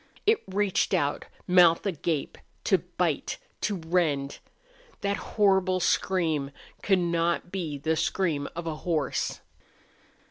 It reached out, mouth agape, to bite, to rend. That horrible scream could not be the scream of a horse.